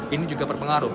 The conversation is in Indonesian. ini juga berpengaruh